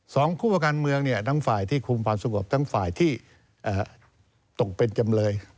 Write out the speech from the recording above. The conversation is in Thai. สองคู่ประการเมืองทั้งฝ่ายที่คุมฟังสุขบทั้งฝ่ายที่ตกเป็นจำเลย